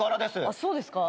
そうですか？